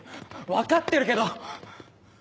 分かってるけど。